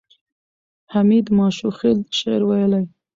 حمید ماشوخېل شعر ویلی.